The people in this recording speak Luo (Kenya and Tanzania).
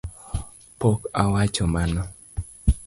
Pok awacho mano